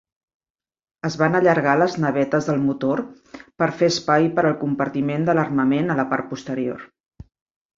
Es van allargar les navetes del motor per fer espai per al compartiment de l'armament a la part posterior.